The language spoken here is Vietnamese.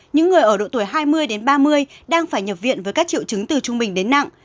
những người ở độ tuổi hai mươi đến ba mươi đang phải nhập viện với các triệu chứng từ trung bình đến nặng